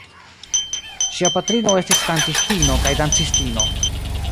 Ŝia patrino estis kantistino kaj dancistino.